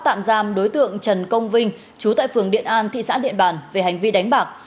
tạm giam đối tượng trần công vinh chú tại phường điện an thị xã điện bàn về hành vi đánh bạc